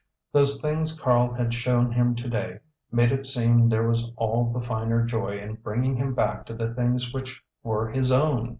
Those things Karl had shown him today made it seem there was all the finer joy in bringing him back to the things which were his own.